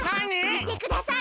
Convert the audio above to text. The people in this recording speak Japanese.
みてください！